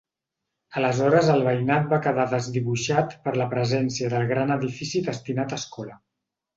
Aleshores el veïnat va quedar desdibuixat per la presència del gran edifici destinat a escola.